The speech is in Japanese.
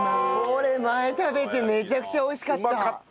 これ前食べてめちゃくちゃ美味しかった！